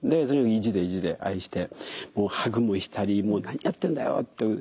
で意地で意地で愛してもうハグもしたり「もう何やってんだよ」って。